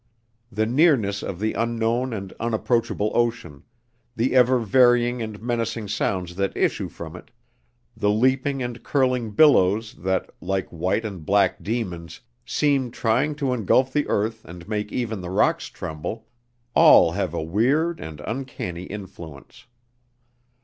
The nearness of the unknown and unapproachable ocean; the ever varying and menacing sounds that issue from it; the leaping and curling billows that, like white and black demons, seem trying to engulf the earth and make even the rocks tremble all have a weird and uncanny influence.